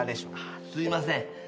すいません。